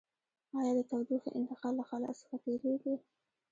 آیا د تودوخې انتقال له خلاء څخه تیریږي؟